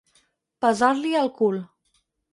Pesar-li el cul.